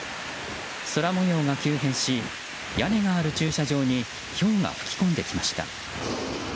空模様が急変し屋根のある駐車場にひょうが吹き込んできました。